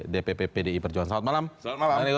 dpp pdi perjuangan selamat malam